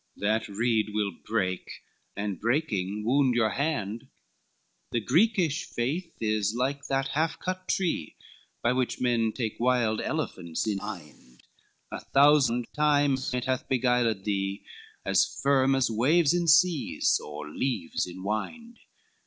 That reed will break; and breaking, wound your hand. LXXII "The Greekish faith is like that half cut tree By which men take wild elephants in Inde, A thousand times it hath beguiled thee, As firm as waves in seas, or leaves in wind.